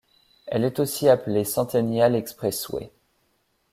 Elle est aussi appelée Centennial expressway.